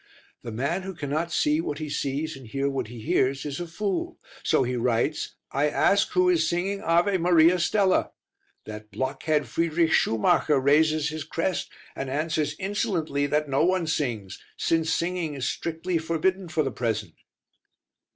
The man who cannot see what he sees and hear what he hears is a fool. So he writes: "I ask who is singing 'Ave Maria Stella.' That blockhead Friedrich Schumacher raises his crest and answers insolently that no one sings, since singing is strictly forbidden for the present."